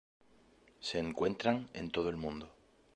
Se encuentran en todo el mundo.